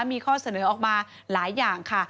มีข้อเสนอออกมาหลายอย่างค่ะ